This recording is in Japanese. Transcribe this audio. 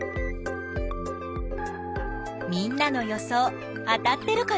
みんなの予想当たってるかな？